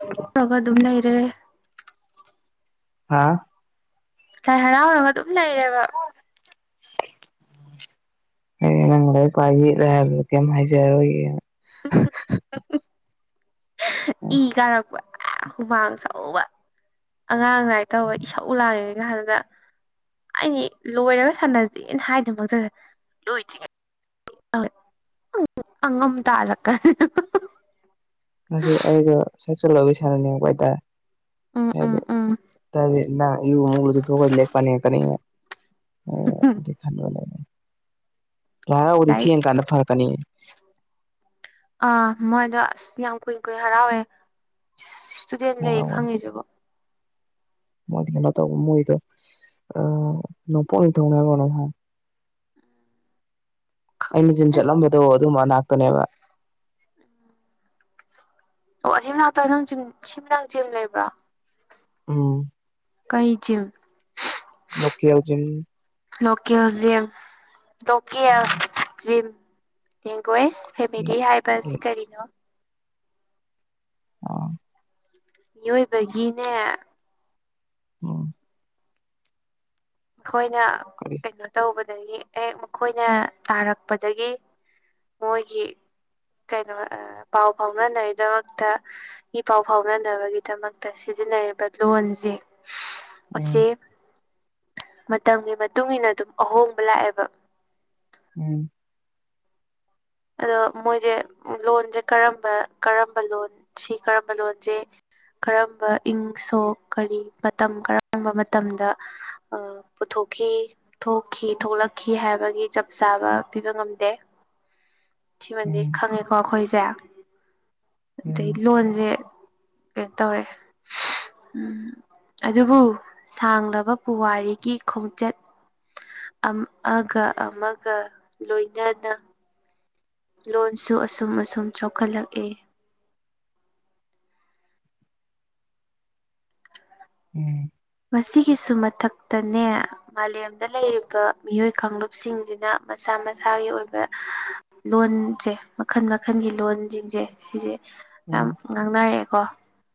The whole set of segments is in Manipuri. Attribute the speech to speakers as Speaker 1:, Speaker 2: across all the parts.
Speaker 1: [unintelligible] ꯑꯗꯨꯝ ꯂꯩꯔꯦ
Speaker 2: ꯍꯥꯥ
Speaker 1: ꯂꯥꯏ ꯍꯔꯥꯎꯔꯒ ꯑꯗꯨꯝ ꯂꯩꯔꯦꯕ
Speaker 2: ꯑꯩ ꯅꯪ ꯂ ꯑꯩ ꯄꯋꯥ ꯌꯦꯠꯂꯦ ꯍꯥꯏ ꯀꯩꯝ ꯍꯥꯏꯖꯔꯣꯏꯒ
Speaker 1: [unintelligible] ꯏ ꯀꯥꯔꯛꯄ ꯍꯨꯃꯥꯡ ꯁꯧꯕ ꯑꯉꯥꯡ ꯉꯥꯏ ꯇꯧꯕ ꯏꯁꯧ ꯂꯥꯡꯉꯦ ꯍꯥꯏꯕꯗ ꯑꯩꯗꯤ ꯂꯣꯏꯔꯒ ꯁꯥꯟꯅꯁꯦꯅ ꯍꯥꯏꯗꯤ ꯃꯇꯗ ꯂꯣꯏꯗ꯭ꯔꯤꯉꯩ ꯑꯉꯝ ꯇꯥꯂꯛꯀ
Speaker 2: ꯍꯥꯏꯗꯤ ꯑꯩꯗꯣ ꯁꯥꯏꯀꯜ ꯁꯥꯟꯅꯅꯤꯡꯉꯛꯄ
Speaker 1: ꯎꯝ ꯎꯝ
Speaker 2: ꯍꯥꯏꯇꯥꯔꯦ
Speaker 1: ꯎꯝ
Speaker 2: ꯍꯥꯏꯗꯤ ꯏꯔꯨ ꯃꯨꯛ ꯂꯨꯖꯊꯣꯛꯈ꯭ꯔꯗꯤ ꯂꯥꯏꯔꯤꯛ ꯄꯅꯤ ꯀꯅꯤ
Speaker 1: [unintelligible]
Speaker 2: ꯂꯥꯏꯔꯥꯎꯕꯗꯤ
Speaker 1: ꯂꯥꯏꯔꯤꯛ
Speaker 2: ꯊꯦꯡ ꯀꯥꯟꯗ ꯐꯔꯛꯀꯅꯤ
Speaker 1: ꯑꯥ ꯃꯣꯏꯗꯣ ꯑꯁ ꯌꯥꯝ ꯀꯨꯏ ꯀꯨꯏ ꯍꯔꯥꯎꯋꯦ ꯏꯁꯇꯨꯗꯦꯟ ꯂꯩ
Speaker 2: ꯍꯔꯥꯎꯕꯅꯤ
Speaker 1: ꯈꯪꯉꯤꯖꯤꯕꯣ
Speaker 2: ꯃꯣꯏꯗꯤ ꯀꯩꯅꯣ ꯇꯧꯕ ꯃꯣꯏꯗꯣ ꯑ ꯅꯣꯡꯄꯣꯛ ꯅꯤꯡꯊꯧꯅꯤ ꯍꯥꯏꯕꯥ ꯀꯩꯅꯣꯝ ꯍꯥꯏ ꯑꯩꯅ
Speaker 1: ꯈꯪꯗꯦ
Speaker 2: ꯖꯤꯝ ꯆꯠꯂꯝꯕꯗꯣ ꯑꯗꯨ ꯃꯅꯥꯛꯇ ꯅꯦꯕ
Speaker 1: ꯑꯣ ꯁꯊꯤꯃꯅꯥꯛꯇꯔꯣ ꯅꯪ ꯖꯤꯝ ꯁꯤꯝꯃꯤꯅꯥꯛ ꯖꯤꯝ ꯂꯩꯕ꯭ꯔꯥ
Speaker 2: ꯎꯝ
Speaker 1: ꯀꯥꯏ chime
Speaker 2: local gym
Speaker 1: local gym ꯗꯣꯀꯦꯜ gym ꯌꯦꯡꯒ꯭ꯋꯦꯁ ꯐꯦꯕꯤꯗꯤ ꯍꯥꯏꯕ ꯑꯁꯤ ꯀꯔꯤꯅꯣ
Speaker 2: ꯑꯥ
Speaker 1: ꯃꯤꯑꯣꯏꯕꯒꯤꯅꯦ
Speaker 2: ꯎꯝ
Speaker 1: ꯈꯣꯏꯅ
Speaker 2: ꯀꯔꯤ
Speaker 1: ꯀꯩꯅꯣ ꯇꯧꯕꯗꯒꯤ ꯑꯦꯛ ꯃꯈꯣꯏꯅ ꯇꯥꯔꯛꯄꯗꯒꯤ ꯃꯣꯏꯒꯤ ꯀꯩꯅꯣ ꯑ ꯄꯥꯎ ꯐꯥꯎꯅꯅꯩ ꯗꯣꯠꯇ ꯏ ꯄꯥꯎ ꯐꯥꯎꯅꯅꯕꯒꯤꯗꯃꯛꯇ ꯁꯤꯖꯤꯟꯅꯔꯤꯕ ꯂꯣꯟꯖꯦ ꯑꯁꯤ
Speaker 2: ꯎꯝ
Speaker 1: ꯃꯇꯝꯒꯤ ꯃꯇꯨꯡ ꯏꯟꯅ ꯑꯗꯨꯝ ꯑꯍꯣꯡꯕ ꯂꯥꯛꯑꯦꯕ
Speaker 2: ꯎꯝ
Speaker 1: ꯑꯗꯣ ꯃꯣꯏꯖꯦ ꯑꯝ ꯂꯣꯟꯖꯦ ꯀꯔꯝꯕ ꯀꯔꯝꯕ ꯂꯣꯟ ꯁꯤ ꯀꯔꯝꯕ ꯂꯣꯟꯖꯦ ꯀꯔꯝꯕ ꯏꯪ ꯁꯣꯛ ꯀꯔꯤ ꯃꯇꯝ ꯀꯔꯝꯕ ꯃꯇꯝꯗ ꯑ ꯄꯨꯊꯣꯛꯈꯤ ꯊꯣꯛꯈꯤ ꯊꯣꯛꯂꯛꯈꯤ ꯍꯥꯏꯕꯒꯤ ꯆꯞ ꯆꯥꯕ ꯄꯤꯕ ꯉꯝꯗꯦ
Speaker 2: ꯎꯝ
Speaker 1: ꯁꯤꯃꯗꯤ
Speaker 2: ꯎꯝ
Speaker 1: ꯈꯪꯉꯦꯀꯣ ꯑꯈꯣꯏꯖꯦ ꯑꯗꯩ
Speaker 2: ꯎꯝ
Speaker 1: ꯂꯣꯟꯖꯦ ꯀꯩꯟ ꯇꯧꯔꯦ ꯎꯝ ꯑꯗꯨꯕꯨ ꯁꯥꯡꯂꯕ ꯄꯨꯋꯥꯔꯤꯒꯤ ꯈꯣꯡꯆꯠ ꯑꯝꯑꯒ ꯑꯃꯒ ꯂꯣꯏꯅꯅ ꯂꯣꯟꯁꯨ ꯑꯁꯨꯝ ꯑꯁꯨꯝ ꯆꯥꯎꯈꯠꯂꯛꯑꯦ
Speaker 2: ꯎꯝ
Speaker 1: ꯃꯁꯤꯒꯤꯁꯨ ꯃꯊꯛꯇꯅꯦ ꯃꯥꯂꯦꯝꯗ ꯂꯩꯔꯤꯕ ꯃꯤꯑꯣꯏ ꯀꯥꯡꯂꯨꯞꯁꯤꯡꯖꯤꯅ ꯃꯁꯥ ꯃꯁꯥꯒꯤ ꯑꯣꯏꯕ ꯂꯣꯟꯖꯦ ꯃꯈꯟ ꯃꯈꯟꯒꯤ ꯂꯣꯟ ꯖꯤꯡꯖꯦ ꯁꯤꯖꯦ ꯌꯥꯝ
Speaker 2: ꯎꯝ
Speaker 1: ꯉꯥꯡꯅꯔꯛꯑꯦꯀꯣ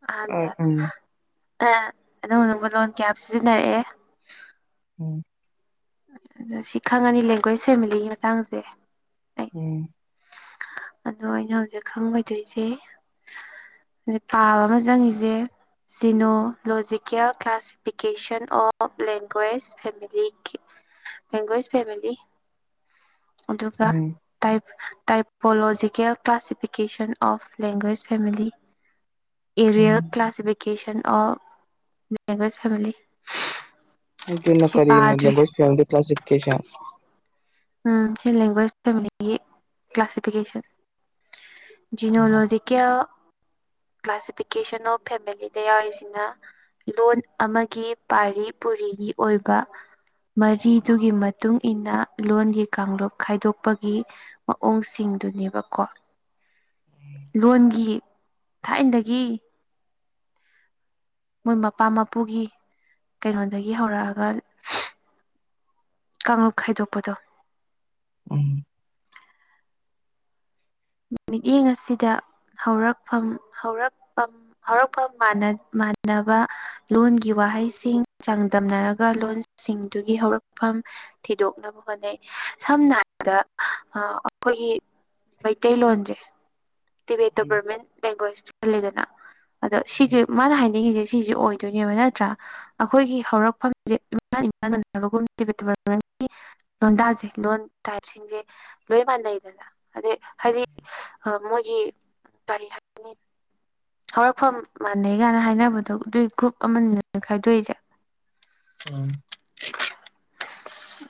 Speaker 1: ꯑꯍꯥꯟꯕꯗ
Speaker 2: ꯎꯝ
Speaker 1: ꯑ ꯑꯅꯧ ꯑꯅꯧꯕ ꯂꯣꯟ ꯀꯌꯥꯝ ꯁꯤꯖꯤꯟꯅꯔꯛꯑꯦ
Speaker 2: ꯎꯝ
Speaker 1: ꯑꯗꯣ ꯁꯤ ꯈꯪꯉꯅꯤ ꯂꯦꯡꯒ꯭ꯋꯦꯁ ꯐꯦꯃꯤꯂꯤꯒꯤ ꯃꯇꯥꯡꯁꯦ ꯑꯩ
Speaker 2: ꯎꯝ
Speaker 1: ꯑꯗꯣ ꯑꯩꯅ ꯍꯧꯖꯤꯛ ꯈꯪꯉꯣꯏꯗꯣꯏꯁꯦ ꯍꯗ ꯄꯥꯕ ꯑꯃ ꯆꯪꯉꯤꯖꯦ genealogical classification of languages family ꯀꯤ ꯂꯦꯡꯒ꯭ꯋꯦꯁ ꯐꯦꯃꯤꯂꯤ ꯑꯗꯨꯒ
Speaker 2: um
Speaker 1: type type ꯄꯣꯂꯣꯖꯤꯀꯦꯜ classification of languages family areal
Speaker 2: um
Speaker 1: classification of languages family
Speaker 2: ꯑꯗꯨꯅ
Speaker 1: ꯁꯤ
Speaker 2: ꯀꯔꯤꯅꯣ
Speaker 1: ꯄꯥꯗ꯭ꯔꯦ
Speaker 2: ꯂꯦꯡꯒ꯭ꯋꯦꯁ ꯐꯦꯃꯂꯤ ꯀ꯭ꯂꯥꯁꯤꯐꯤꯀꯦꯁꯟ
Speaker 1: ꯎꯝ ꯁꯤ ꯂꯦꯡꯒ꯭ꯋꯦꯖ ꯐꯦꯃꯤꯂꯤꯒꯤ ꯀ꯭ꯂꯥꯁꯤꯐꯤꯀꯦꯁꯟ ꯖꯤꯅꯣꯂꯣꯖꯤꯀꯦꯜ ꯀ꯭ꯂꯥꯁꯤꯐꯤꯀꯦꯁꯟ ꯑꯣꯐ ꯐꯦꯃꯤꯂꯤꯗ ꯌꯥꯎꯔꯤꯖꯤꯅ ꯂꯣꯟ ꯑꯃꯒꯤ ꯄꯥꯔꯤ ꯄꯨꯔꯤꯒꯤ ꯑꯣꯏꯕ ꯃꯔꯤꯗꯨꯒꯤ ꯃꯇꯨꯡ ꯏꯟꯅ ꯂꯣꯟꯒꯤ ꯀꯥꯡꯂꯨꯞ ꯈꯥꯏꯗꯣꯛꯄꯒꯤ ꯃꯑꯣꯡꯁꯤꯡꯗꯨꯅꯦꯕꯀꯣ ꯂꯣꯟꯒꯤ ꯊꯥꯏꯟꯗꯒꯤ ꯃꯣꯏ ꯃꯄꯥ ꯃꯄꯨꯒꯤ ꯀꯩꯅꯣꯗꯒꯤ ꯍꯧꯔꯛꯑꯒꯜ ꯀꯥꯡꯂꯨꯞ ꯈꯥꯏꯗꯣꯛꯄꯗꯣ
Speaker 2: ꯎꯝ
Speaker 1: ꯃꯤꯠꯌꯦꯡ ꯑꯁꯤꯗ ꯍꯧꯔꯛꯐꯝ ꯍꯧꯔꯛꯄꯝ ꯍꯧꯔꯛꯐꯝ ꯃꯥꯟꯅ ꯃꯥꯟꯅꯕ ꯂꯣꯟꯒꯤ ꯋꯥꯍꯩꯁꯤꯡ ꯆꯥꯡꯗꯝꯅꯔꯒ ꯂꯣꯟꯁꯤꯡꯗꯨꯒꯤ ꯍꯧꯔꯛꯐꯝ ꯊꯤꯗꯣꯛꯅꯕ ꯍꯣꯠꯅꯩ ꯁꯝꯅ ꯍꯥꯏꯔꯕꯗ ꯑꯈꯣꯏꯒꯤ ꯃꯩꯇꯩꯂꯣꯟꯖꯦ ꯇꯤꯕꯦ ꯇꯣ ꯕꯔꯃꯦꯟ ꯂꯦꯡꯒ꯭ꯋꯦꯁ ꯆꯜꯂꯦꯗꯅ꯫ ꯑꯗꯣ ꯁꯤꯖꯦ ꯃꯥꯅ ꯍꯥꯏꯅꯤꯡꯉꯤꯁꯦ ꯁꯤꯖꯦ ꯑꯣꯏꯗꯣꯏꯅꯦꯕ ꯅꯠꯇ꯭ꯔꯥ ꯑꯈꯣꯏꯒꯤ ꯍꯧꯔꯛꯐꯝꯖꯦ ꯏꯃꯥ ꯏꯃꯟ ꯃꯅꯥꯕꯒꯨꯝ [unintelligible] ꯂꯣꯟꯗꯖꯦꯂꯣꯟ ꯇꯥꯏꯞꯁꯤꯡꯁꯦ ꯂꯣꯏ ꯃꯥꯟꯅꯩꯗꯅ ꯑꯗꯩ ꯍꯥꯏꯗꯤ ꯃꯣꯏꯒꯤ ꯀꯔꯤ ꯍꯥꯏ ꯍꯧꯔꯛꯐꯝ ꯃꯥꯟꯅꯩ ꯒꯥꯏꯅ ꯍꯥꯏꯅꯕꯗꯣ ꯑꯗꯨꯏ ꯒ꯭ꯔꯨꯞ ꯑꯃꯅꯤꯅ ꯈꯥꯏꯗꯣꯛꯏꯖꯦ
Speaker 2: ꯎꯝ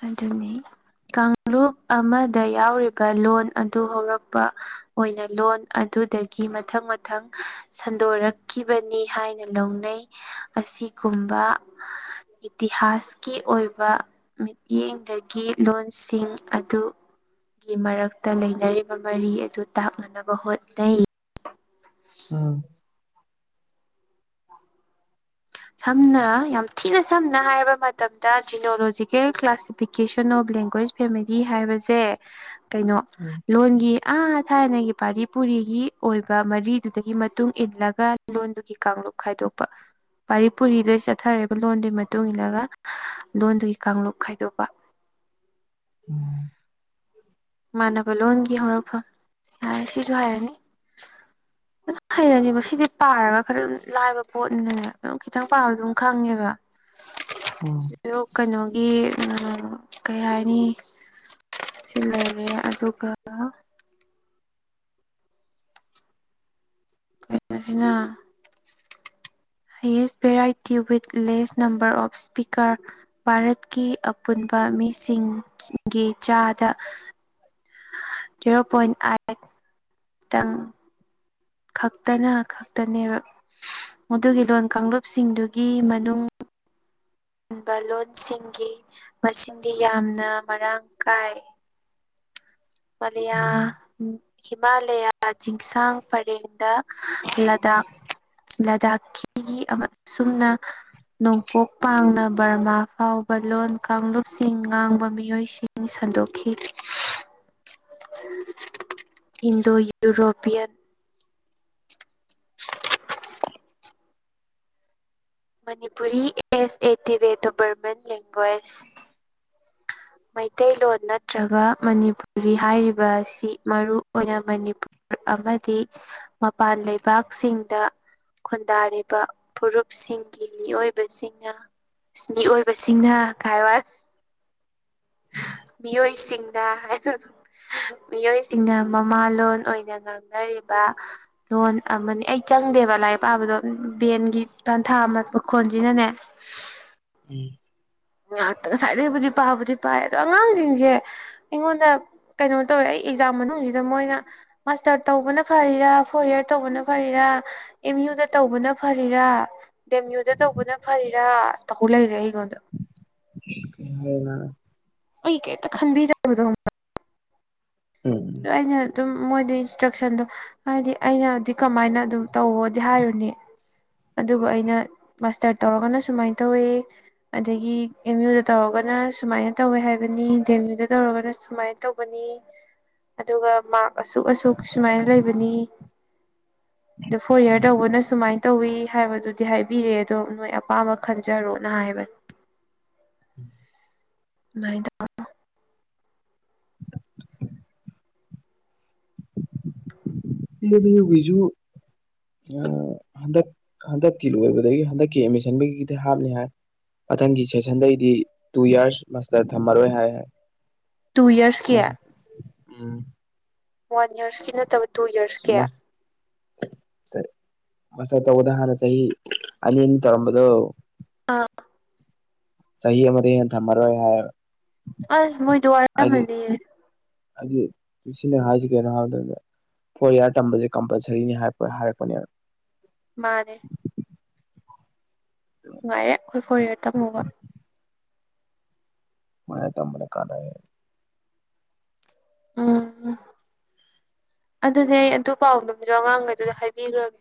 Speaker 1: ꯑꯗꯨꯅꯤ ꯀꯥꯡꯂꯨꯞ ꯑꯃꯗ ꯌꯥꯎꯔꯤꯕ ꯂꯣꯟ ꯑꯗꯨ ꯍꯧꯔꯛꯄ ꯑꯣꯏꯅ ꯂꯣꯟ ꯑꯗꯨꯗꯒꯤ ꯃꯊꯪ ꯃꯊꯪ ꯁꯟꯗꯣꯔꯛꯈꯤꯕꯅꯤ ꯍꯥꯏꯅ ꯂꯧꯅꯩ ꯑꯁꯤꯒꯨꯝꯕ ꯏꯇꯤꯍꯥꯁꯀꯤ ꯑꯣꯏꯕ ꯃꯤꯠꯌꯦꯡꯗꯒꯤ ꯂꯣꯟꯁꯤꯡ ꯑꯗꯨ ꯒꯤ ꯃꯔꯛꯇ ꯂꯩꯅꯔꯤꯕ ꯃꯔꯤ ꯑꯗꯨ ꯇꯥꯛꯅꯅꯕ ꯍꯣꯠꯅꯩ꯫
Speaker 2: ꯑꯝ
Speaker 1: ꯁꯝꯅ ꯌꯥꯝ ꯊꯤꯅ ꯁꯝꯅ ꯍꯥꯏꯔꯕ ꯃꯇꯝꯗ ꯖꯤꯅꯣꯂꯣꯖꯤꯀꯦꯜ ꯀ꯭ꯂꯥꯁꯤꯐꯤꯀꯦꯁꯟ ꯑꯣꯐ ꯂꯦꯡꯒ꯭ꯋꯦꯁ ꯐꯦꯃꯤꯗꯤ ꯍꯥꯏꯕꯁꯦ ꯀꯩꯅꯣ
Speaker 2: ꯎꯝ
Speaker 1: ꯂꯣꯟꯒꯤ ꯑꯥ ꯊꯥꯏꯅꯒꯤ ꯄꯥꯔꯤ ꯄꯨꯔꯤꯒꯤ ꯑꯣꯏꯕ ꯃꯔꯤꯗꯨꯗꯒꯤ ꯃꯇꯨꯡ ꯏꯜꯂꯒ ꯂꯣꯟꯗꯨꯒꯤ ꯀꯥꯡꯂꯨꯞ ꯈꯥꯏꯗꯣꯛꯄ꯫ ꯄꯥꯔꯤ ꯄꯨꯔꯤꯗꯩ ꯆꯠꯊꯔꯤꯕ ꯂꯣꯟꯗꯨꯒꯤ ꯃꯇꯨꯡ ꯏꯜꯂꯒ ꯂꯣꯟꯗꯨꯒꯤ ꯀꯥꯡꯂꯨꯞ ꯈꯥꯏꯗꯣꯛꯄ꯫
Speaker 2: ꯎꯝ
Speaker 1: ꯃꯥꯟꯅꯕ ꯂꯣꯟꯒꯤ ꯍꯧꯔꯛꯐꯝ ꯌꯥꯔꯦ ꯁꯤꯁꯨ ꯍꯥꯏꯔꯅꯤ꯫
Speaker 2: [inaudible]
Speaker 1: ꯑꯗꯨꯝ ꯍꯩꯔꯅꯦꯕ ꯁꯤꯗꯤ ꯄꯥꯔꯒ ꯈꯔ ꯑꯗꯨꯝ ꯂꯥꯏꯕ ꯄꯣꯠꯅꯤꯅꯦ ꯑꯗꯨꯝ ꯈꯤꯇꯪ ꯄꯥꯕꯗꯨ ꯑꯗꯨꯝ ꯈꯪꯉꯦꯕ꯫
Speaker 2: ꯎꯝ
Speaker 1: [unintelligible] ꯀꯩꯅꯣꯒꯤ ꯀꯩ ꯍꯥꯏꯅꯤ ꯁꯤ ꯂꯩ ꯑꯗꯨꯒ ꯀꯩꯅꯣꯁꯤꯅ꯫ Highest variety with less number of speaker ꯚꯥꯔꯠꯀꯤ ꯄꯨꯟꯕ ꯃꯤꯁꯤꯡꯒꯤ ꯆꯥꯗ ꯖꯦꯔꯣ ꯄꯣꯏꯟ ꯑꯥꯏꯠ꯫ ꯇꯪ ꯈꯛꯇꯅ ꯈꯛꯇꯅꯦꯕ꯫ ꯃꯗꯨꯒꯤ ꯂꯣꯟ ꯀꯥꯡꯂꯨꯞꯁꯤꯡꯗꯨꯒꯤ ꯃꯅꯨꯡ ꯑꯟꯕ ꯂꯣꯟꯁꯤꯡꯒꯤ ꯃꯁꯤꯡꯗꯤ ꯌꯥꯝꯅ ꯃꯔꯥꯡ ꯀꯥꯏ꯫ ꯃꯂꯤꯌꯥ ꯍꯤꯃꯥꯂꯌꯥ ꯆꯤꯡꯁꯥꯡ ꯄꯔꯦꯡꯗ ꯂꯗꯥꯛ ꯂꯥꯗꯥꯛꯀꯤꯒꯤ ꯑꯁꯨꯝꯅ ꯅꯣꯡꯄꯣꯛ ꯄꯥꯡꯅ ꯕꯔꯃꯥ ꯐꯥꯎꯕ ꯂꯣꯟ ꯀꯥꯡꯂꯨꯞꯁꯤꯡ ꯉꯥꯡꯕ ꯃꯤꯑꯣꯏꯁꯤꯡ ꯁꯟꯗꯣꯛꯈꯤ꯫ Indo European Manipuri as a ꯇꯤꯚꯦ ꯇꯣ ꯕꯔꯃꯟ ꯂꯦꯡꯒ꯭ꯋꯦꯁ꯫ ꯃꯩꯇꯩꯂꯣꯟ ꯅꯠꯇ꯭ꯔꯒ ꯃꯅꯤꯄꯨꯔꯤ ꯍꯥꯏꯔꯤꯕ ꯑꯁꯤ ꯃꯔꯨꯏ ꯑꯣꯏꯅ ꯃꯅꯤꯄꯨꯔ ꯑꯃꯗꯤ ꯃꯄꯥꯟ ꯂꯩꯕꯥꯛꯁꯤꯡꯗ ꯈꯨꯟꯗꯥꯔꯤꯕ ꯐꯨꯔꯨꯞꯁꯤꯡꯒꯤ ꯃꯤꯑꯣꯏꯕꯁꯤꯡꯅ ꯃꯤꯑꯣꯏꯕꯁꯤꯡꯅ ꯀꯥꯏꯋꯥꯏ꯫ ꯃꯤꯑꯣꯏꯁꯤꯡꯗ ꯃꯤꯑꯣꯏꯁꯤꯡꯅ ꯃꯃꯥꯂꯣꯟ ꯑꯣꯏꯅ ꯉꯥꯡꯅꯔꯤꯕ ꯂꯣꯟ ꯑꯃꯅꯤ ꯑꯩ ꯆꯪꯗꯦꯕ ꯂꯥꯏꯔꯤꯛ ꯄꯥꯕꯗꯣ ꯕꯦꯟꯒꯤ ꯇꯥꯟꯊꯥ ꯑꯃ ꯃꯈꯣꯟꯁꯤꯅꯅꯦ
Speaker 2: ꯎꯝ
Speaker 1: ꯉꯍꯥꯛꯇ ꯉꯁꯥꯏꯗꯒꯤꯕꯨꯗꯤ ꯄꯥꯕꯨꯗꯤ ꯄꯥꯏ ꯑꯗꯣ ꯑꯉꯥꯡꯁꯤꯡꯁꯦ ꯑꯩꯉꯣꯟꯗ ꯀꯩꯅꯣ ꯇꯧꯋꯦ ꯑꯩ ꯑꯦꯛꯖꯥꯝ ꯃꯅꯨꯡꯁꯤꯗ ꯃꯣꯏꯅ ꯃꯥꯁꯇꯔ ꯇꯧꯕꯅ ꯐꯔꯤꯔꯥ ꯐꯣꯔꯤꯌꯔ ꯇꯧꯕꯅ ꯐꯔꯤꯔꯥ ꯑꯦꯝ ꯌꯨꯗ ꯇꯧꯕꯅ ꯐꯔꯤꯔꯥ ꯗꯦꯝ ꯌꯨꯗ ꯇꯧꯕꯅ ꯐꯔꯤꯔꯥ ꯇꯧ ꯂꯩꯔꯦ ꯑꯩꯉꯣꯟꯗ
Speaker 2: ꯍꯅ
Speaker 1: ꯑꯩ ꯀꯩꯇ ꯈꯟꯕꯤꯖꯕꯗꯣ
Speaker 2: ꯎꯝ
Speaker 1: ꯑ ꯑꯩꯅ ꯑꯗꯨꯝ ꯃꯣꯏꯗ ꯏꯟꯁꯇ꯭ꯔꯛꯁꯟꯗꯣ ꯍꯥꯏꯗꯤ ꯑꯩꯅꯗꯤ ꯀꯃꯥꯏꯅ ꯑꯗꯨꯝ ꯇꯧꯋꯣꯗꯤ ꯍꯥꯏꯔꯨꯅꯦ ꯑꯗꯨꯕꯨ ꯑꯩꯅ ꯃꯥꯁꯇꯔ ꯇꯧꯔꯒꯅ ꯁꯨꯃꯥꯏꯅ ꯇꯧꯋꯤ ꯑꯗꯒꯤ ꯑꯦꯝ ꯌꯨꯗ ꯇꯧꯔꯒꯅ ꯁꯨꯃꯥꯏꯅ ꯇꯧꯋꯦ ꯍꯥꯏꯕꯅꯤ ꯗꯤ ꯑꯦꯝ ꯌꯨꯗ ꯇꯧꯔꯒꯅ ꯁꯨꯃꯥꯏꯅ ꯇꯧ ꯑꯗꯨꯒ ꯃꯥꯛ ꯑꯁꯨꯛ ꯑꯁꯨꯛ ꯁꯨꯃꯥꯏꯅ ꯂꯩꯕꯅꯤ ꯑꯗꯣ ꯐꯣꯔ ꯏꯌꯥꯔ ꯇꯧꯕꯅ ꯁꯨꯃꯥꯏꯅ ꯇꯧꯋꯤ ꯍꯥꯏꯕꯗꯨꯗꯤ ꯍꯥꯏꯕꯤꯔꯦ ꯑꯗꯣ ꯅꯣꯏ ꯑꯄꯥꯝꯕ ꯈꯟꯖꯔꯣꯅ ꯍꯥꯏꯕꯅꯦ
Speaker 2: ꯎꯝ
Speaker 1: ꯗ
Speaker 2: ꯏ ꯕꯤꯖꯨ ꯍꯟꯗꯛ ꯍꯟꯗꯛꯀꯤ ꯂꯣꯏꯕꯗꯒꯤ ꯍꯟꯗꯛꯀꯤ ꯑꯦꯠꯃꯤꯁꯟꯕꯒꯤꯗꯤ ꯍꯥꯞꯅꯤ ꯍꯥꯏ ꯃꯊꯪꯒꯤ ꯁꯦꯁꯟꯗꯩꯗꯤ ꯇꯨ ꯌꯔꯁ ꯃꯥꯁꯇꯔ ꯊꯝꯃꯔꯣꯏ ꯍꯥꯏ
Speaker 1: ꯇꯨ ꯏꯔꯁꯀꯤ
Speaker 2: ꯎꯝ
Speaker 1: ꯋꯥꯟ ꯏ ꯌꯔꯁꯀꯤ ꯅꯠꯇꯕ ꯇꯨ ꯌꯔꯁꯀꯤ
Speaker 2: ꯃꯁ ꯃꯁꯠꯇ ꯎꯗꯥꯍꯔꯅ ꯁꯍꯤ ꯑꯅꯤꯅ ꯇꯧꯔꯝꯕꯗꯨꯣ
Speaker 1: ꯑꯥ
Speaker 2: ꯁꯍꯤ ꯃ ꯊꯃꯔꯑꯣ ꯍꯥꯏ
Speaker 1: ꯑꯁ ꯃꯣꯏꯗ ꯋꯥꯔꯝꯃꯅꯤ
Speaker 2: ꯍꯥꯏꯗꯤꯁꯤꯅꯦ ꯍꯥꯏꯁꯤ ꯀꯩꯅꯣ ꯍꯥꯏꯕ ꯃꯇꯝꯗ ꯐꯣꯔ ꯏꯌꯥꯔ ꯇꯝꯕꯁꯦ ꯀꯝꯄꯜꯁꯔꯤꯅꯤ ꯍꯥꯏ ꯍꯥꯏꯔꯛꯄꯅꯦꯕ
Speaker 1: ꯃꯥꯅꯦꯦ ꯅꯨꯡꯉꯥꯏꯔꯦ ꯑꯩꯈꯣꯏ ꯀꯣꯔꯤꯌꯔ ꯇꯝꯃꯨꯕ
Speaker 2: ꯃ ꯇ ꯃꯅ ꯀꯥꯟꯅ
Speaker 1: ꯎꯝ ꯑꯗꯨꯗꯤ ꯑꯩ ꯑꯗꯨ ꯄꯥꯎꯗꯝꯁꯨ ꯑꯉꯥꯡꯈꯩꯗꯨꯗ ꯍꯥꯏꯕꯤꯈ꯭ꯔꯒꯦ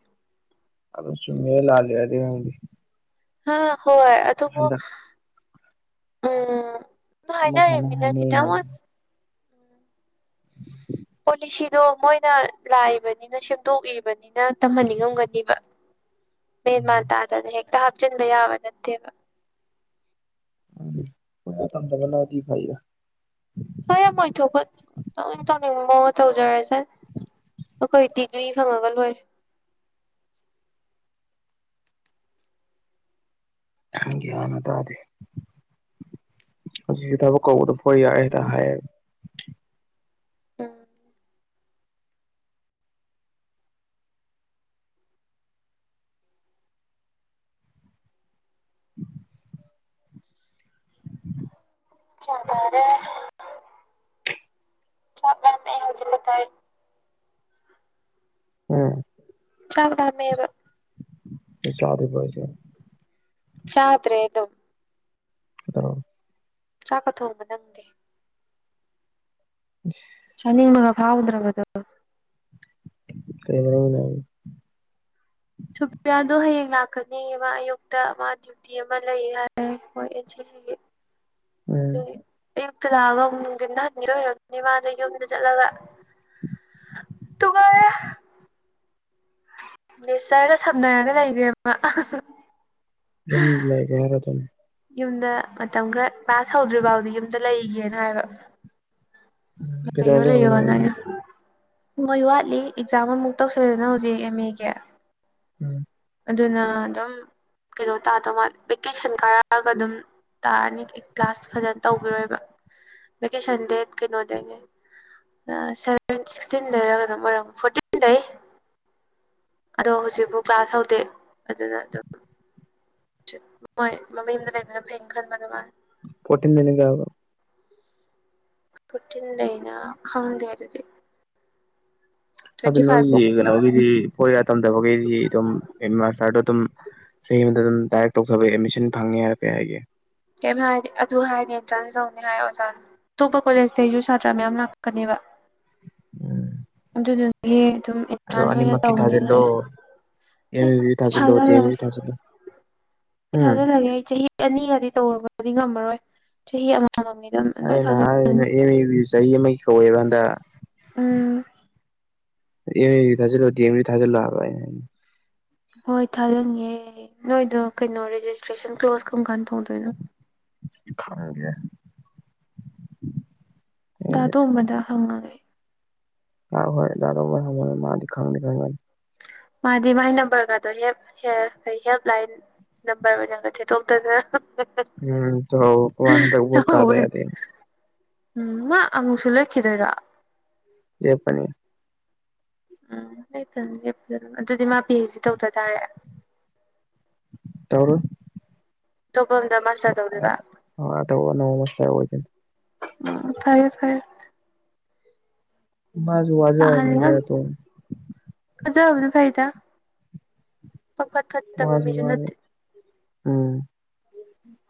Speaker 2: ꯑꯗꯨꯗꯣ ꯆꯨꯝꯃꯦ ꯂꯥꯜꯂꯤ ꯍꯥꯏꯗꯤꯗꯤ
Speaker 1: ꯍ ꯍꯣꯏ ꯑꯣꯕꯨ
Speaker 2: ꯍꯟꯗꯛ
Speaker 1: ꯎꯝ ꯍ
Speaker 2: ꯑꯃ
Speaker 1: ꯍꯥꯏꯅ
Speaker 2: ꯁꯥꯅ
Speaker 1: ꯔꯦꯃꯤꯅꯥ ꯈꯈꯤ
Speaker 2: ꯍꯥꯏꯅꯩ
Speaker 1: ꯇꯃꯣ
Speaker 2: ꯍꯥꯏꯕꯗꯤ
Speaker 1: ꯄꯣꯂꯤꯁꯤꯗꯣ ꯃꯣꯏꯅ ꯂꯥꯛꯏꯕꯅꯤꯅ ꯁꯦꯝꯗꯣꯛꯏꯕꯅꯤꯅ ꯩꯅ ꯇꯝꯍꯟꯅꯤꯡꯉꯝꯒꯅꯤꯕ ꯃꯦꯟꯃꯥꯔ
Speaker 2: ꯎꯝ
Speaker 1: ꯇꯥꯗꯅ ꯍꯦꯛꯇ ꯍꯥꯞꯆꯤꯟꯕ ꯌꯥꯕ ꯅꯠꯇꯦꯕ
Speaker 2: ꯎꯝ ꯊꯝꯗꯕꯅꯗꯤ ꯐꯥꯏ
Speaker 1: ꯍꯣꯏꯔ ꯃꯣꯏꯊꯄ ꯇꯧꯅꯤꯡꯕ ꯇꯧꯖꯔꯁꯦ ꯑꯩꯈꯣꯏ ꯗꯤꯒ꯭ꯔꯤ ꯐꯪꯉꯒ ꯂꯣꯏꯔꯦ
Speaker 2: ꯅ ꯇꯗꯦ ꯍꯧꯛꯁꯨ ꯊꯕꯛ ꯀꯧꯕꯗ ꯐ ꯌꯥꯔꯦ ꯍꯦꯗ ꯍꯥꯏꯌꯦ
Speaker 1: ꯎꯝ
Speaker 2: ꯎꯝ
Speaker 1: ꯇꯔꯦ [unintelligible]
Speaker 2: ꯎꯝ
Speaker 1: ꯆꯥꯎꯗꯥꯝꯕ
Speaker 2: ꯆꯗ ꯐꯣꯏꯁꯦ
Speaker 1: ꯁꯥꯇ꯭ꯔꯦ ꯑꯗꯨ
Speaker 2: [unintelligible]
Speaker 1: ꯆꯥꯛꯀ ꯊꯣꯡꯕ ꯅꯪꯗꯦ
Speaker 2: ꯎ
Speaker 1: ꯁꯅꯤ ꯔꯒꯥ ꯐꯥꯎꯗ꯭ꯔꯕ ꯑꯗꯨ
Speaker 2: [unintelligible]
Speaker 1: ꯁꯨꯄꯌꯥꯗꯣ ꯍꯌꯦꯡ ꯂꯥꯛꯀꯅꯤꯕ ꯑꯌꯨꯛꯇ ꯋꯥꯗꯤ ꯇꯤ ꯑꯃ ꯂꯩ ꯍꯥꯏ ꯁꯤꯁꯤꯒꯤ
Speaker 2: ꯎꯝ
Speaker 1: ꯑꯗꯨꯒꯤ ꯑꯌꯨꯛꯇ ꯂꯥꯛꯑꯒ ꯑꯃꯨꯛ ꯅꯨꯡꯊꯤꯟ ꯅꯍꯟꯒꯤ ꯑꯣꯏꯔꯕꯅꯤ ꯃꯥꯗ ꯌꯨꯝꯗ ꯆꯠꯂꯒ ꯅꯨꯡꯉꯥꯏꯔꯦ
Speaker 2: [inaudible]
Speaker 1: ꯅꯦꯆꯔꯒ ꯁꯝꯅꯔꯒ ꯂꯩꯈꯦꯕ
Speaker 2: ꯌꯨꯝ ꯂꯩꯒꯦ ꯍꯥꯏꯔ ꯑꯗꯨꯝ
Speaker 1: ꯌꯨꯝꯗ ꯃꯇꯝ ꯈꯔ ꯀ꯭ꯂꯥꯁ ꯍꯧꯗ꯭ꯔꯤ ꯐꯥꯎꯗꯤ ꯌꯨꯝꯗ ꯂꯩꯒꯦꯅ ꯍꯥꯏꯕ
Speaker 2: ꯎꯝ ꯀꯩꯗꯧꯉꯩꯗꯩ
Speaker 1: ꯂꯩ
Speaker 2: ꯍꯧꯅꯤ ꯍꯥꯏꯔꯝꯕꯅꯤ
Speaker 1: ꯌꯩ ꯃꯣꯏ ꯋꯥꯠꯂꯤ ꯑꯦꯛꯖꯥꯝ ꯑꯃꯃꯨꯛ ꯇꯧꯁꯜꯂꯦꯗꯅ ꯍꯧꯖꯤꯛ ꯑꯦꯝ ꯑꯦꯒꯤ
Speaker 2: [inaudible]
Speaker 1: ꯑꯗꯨꯅ ꯑꯗꯨꯝ ꯀꯩꯅꯣ ꯇꯥꯗ ꯃꯥ ꯚꯦꯀꯦꯁꯟ ꯀꯥꯔꯛꯑꯒ ꯑꯗꯨꯝ ꯇꯥꯔꯅꯤ ꯀ꯭ꯂꯥꯁ ꯐꯖꯅ ꯇꯧꯈꯤꯔꯣꯏꯕ ꯚꯦꯀꯦꯁꯟ ꯗꯦ ꯀꯩꯅꯣ ꯑꯗꯩꯅꯦ ꯁꯚꯦꯟ ꯁꯤꯛꯁꯇꯤꯟ ꯂꯩꯔꯒꯅ ꯃꯔꯔꯝ ꯐꯣꯔꯇꯤꯟꯗꯩ ꯑꯗꯣ ꯍꯧꯖꯤꯛꯐꯥꯎ ꯀ꯭ꯂꯥꯁ ꯍꯧꯗꯦ ꯑꯗꯨꯅ ꯑꯗꯨꯝ ꯃꯣꯏ ꯃꯃꯤ ꯑꯃꯗ ꯂꯩꯕꯅ ꯐꯩꯩꯅ ꯈꯟꯕ ꯑꯗꯨ ꯃꯥ
Speaker 2: ꯄꯣꯤꯟꯗꯒꯕꯣ
Speaker 1: ꯄꯣꯇꯤꯟ ꯂꯩꯅ ꯈꯪꯗꯦ ꯑꯗꯨꯗꯤ
Speaker 2: ꯑꯗꯨ
Speaker 1: ꯇ꯭ꯋꯦꯟꯇꯤ ꯐꯥꯏꯚ
Speaker 2: ꯅꯣꯏꯒꯤ
Speaker 1: ꯐꯥꯎ
Speaker 2: ꯀꯩꯅꯣꯒꯤꯗꯤ ꯐꯣꯔꯤꯌꯥꯥ ꯇꯝꯗꯕꯈꯩꯗꯤ ꯑꯗꯨꯝ ꯃꯥꯁꯇꯔꯗꯣ ꯑꯗꯨꯝ ꯆꯍꯤ ꯑꯃꯗ ꯑꯗꯨꯝ ꯗꯥꯏꯔꯦꯛ ꯇꯧꯊꯕ ꯑꯦꯗꯃꯤꯁꯟ ꯐꯪꯅꯤꯦ ꯍꯥꯏꯔ ꯀꯩ ꯍꯥꯏꯒꯦ
Speaker 1: ꯀꯩꯝ ꯍꯥꯏꯗꯦ ꯑꯗꯨ ꯍꯥꯏꯗꯤꯦ ꯑꯦꯟꯇ꯭ꯔꯥꯟꯁ ꯇꯧꯅꯤ ꯍꯥꯏ ꯑꯣꯖꯥꯅ ꯑꯇꯣꯞꯄꯥ ꯀꯣꯂꯦꯖꯇꯩꯁꯨ ꯁꯥꯇ꯭ꯔ ꯃꯌꯥꯝ ꯂꯥꯛꯀꯅꯦꯕ
Speaker 2: ꯎꯝ
Speaker 1: ꯑꯗꯨꯗꯨꯗꯤ ꯑꯗꯨꯝ
Speaker 2: ꯑꯗꯣ
Speaker 1: ꯑꯦꯟꯇ꯭ꯔꯥꯟꯁ ꯑꯣꯏꯅ
Speaker 2: ꯑꯅꯤꯃꯛꯀꯤ
Speaker 1: ꯇꯧꯅꯤ
Speaker 2: ꯊꯥꯖꯤꯜꯂꯣ
Speaker 1: ꯅꯣꯏ
Speaker 2: ꯑꯦꯝ
Speaker 1: ꯑꯩ
Speaker 2: ꯌꯨ ꯊꯥꯖꯤꯜꯂꯣ ꯗꯤ ꯑꯦꯝ
Speaker 1: ꯊꯥꯖꯈꯒꯦ
Speaker 2: ꯌꯨ ꯊꯥꯖꯤꯜꯂꯣ
Speaker 1: ꯑꯩ
Speaker 2: ꯎꯝ
Speaker 1: ꯊꯥꯖꯜꯂꯒꯦ ꯑꯩ ꯆꯍꯤ ꯑꯅꯤꯒꯗꯤ ꯇꯧꯔꯨꯕꯗꯤ ꯉꯝꯃꯔꯣꯏ ꯆꯍꯤ ꯑꯃꯃꯝ
Speaker 2: ꯑꯩꯅ ꯍꯥꯏꯩꯅ ꯑꯦꯝ ꯏꯕꯤ ꯆꯍꯤ ꯑꯃꯒꯤ ꯀꯧꯏꯦꯕꯟꯗ
Speaker 1: ꯎꯝ
Speaker 2: ꯌ ꯏ ꯒꯤ ꯇꯥꯖꯦꯂꯩ ꯗꯃ ꯒꯤ ꯇꯥꯖꯦꯂꯣ ꯍꯥꯏꯕ
Speaker 1: ꯍꯣꯏ ꯊꯥꯖꯟꯒꯦ ꯅꯣꯏꯗꯣ ꯀꯩꯅꯣ ꯔꯦꯖꯤꯁꯇ꯭ꯔꯦꯁꯟ ꯀ꯭ꯂꯣꯁ ꯀꯝ ꯀꯥꯟ ꯇꯣꯡꯗꯣꯏꯅꯣ
Speaker 2: ꯈꯥꯥꯡꯒꯦ
Speaker 1: ꯗ
Speaker 2: ꯑꯩꯁꯦ
Speaker 1: ꯇꯣꯝꯕꯗ ꯍꯪꯉꯒꯦ
Speaker 2: ꯍ ꯍꯣꯏ ꯌꯥꯗꯧꯕ ꯃꯥꯗꯤ ꯈꯪꯅꯤ ꯈꯪꯒꯅꯤ
Speaker 1: ꯃꯥꯗꯤ ꯃꯥꯥꯏ ꯅꯝꯕꯔꯒꯗꯣ ꯍꯦꯞ ꯀꯔꯤ ꯍꯦꯜꯞ ꯂꯥꯏꯟ ꯅꯝꯕꯔ ꯑꯣꯏꯅꯒ ꯊꯦꯠꯇꯣꯛꯇꯗꯅ
Speaker 2: ꯎꯝ ꯋꯥ ꯇ ꯎꯣꯔꯀꯥꯕ
Speaker 1: ꯇꯧꯋꯦ
Speaker 2: ꯌꯥꯗ
Speaker 1: ꯎꯝ ꯃꯥ ꯑꯃꯨꯛꯁꯨ ꯂꯩꯈꯤꯗꯣꯏꯔ
Speaker 2: ꯌꯦꯄꯅꯤ
Speaker 1: ꯎꯝ ꯂꯦꯞ ꯐꯅ ꯂꯦꯞꯄꯤ ꯑꯗꯨꯗꯤ ꯃꯥ ꯄꯤ ꯑꯩꯆ ꯗꯤ ꯇꯧꯗ ꯇꯥꯔꯦ
Speaker 2: ꯇꯧꯔ
Speaker 1: ꯑꯇꯣꯞꯐꯝꯗ ꯃꯥꯁꯇꯔ ꯇꯧꯗꯣꯏꯕ
Speaker 2: ꯑꯆꯧꯕ ꯑꯅꯧꯕ ꯃꯁꯇꯔ ꯑꯣꯏꯗꯣꯏꯅꯤ
Speaker 1: ꯎꯝ ꯐꯔꯦ ꯐꯔꯦ
Speaker 2: ꯃꯥꯁꯨ ꯋꯥꯖꯥ ꯃ ꯌꯥ ꯇ
Speaker 1: ꯀꯖꯗ ꯐꯥꯏꯗ ꯐꯇ ꯐꯇ ꯐꯇ
Speaker 2: ꯋꯥꯁꯨ
Speaker 1: ꯃꯤꯁꯨ
Speaker 2: ꯋꯥꯔꯦ
Speaker 1: ꯅꯠꯇꯦ
Speaker 2: ꯎꯝ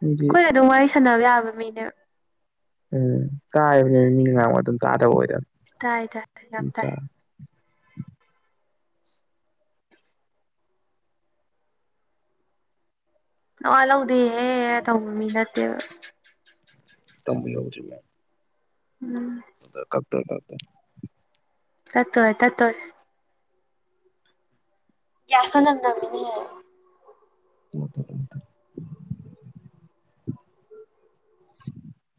Speaker 2: ꯃꯤꯗꯤ
Speaker 1: ꯑꯗꯨꯝ ꯋꯥꯏꯁ ꯁꯥꯟꯅꯕ ꯌꯥꯕ ꯃꯤꯅꯦ
Speaker 2: ꯎꯝ ꯀꯥꯏꯕꯅꯦ ꯃꯤ ꯉ ꯑꯗꯨꯝ ꯇꯥꯗꯕ ꯑꯣꯏꯗ
Speaker 1: ꯇꯥꯏ ꯇꯥꯏ ꯌꯥꯝ ꯇꯥꯏ ꯑ ꯂꯧꯗꯦꯍꯦ ꯇꯧꯕ ꯃꯤ ꯅꯠꯇꯦꯕ
Speaker 2: ꯌꯧꯖ
Speaker 1: ꯎꯝ
Speaker 2: ꯎ ꯀꯛꯇ ꯀꯇ
Speaker 1: ꯇꯠꯇꯣꯏ ꯇꯠꯇꯣꯏ ꯌꯥꯁ ꯅꯗꯃꯤꯅꯤꯍ
Speaker 2: [inaudible]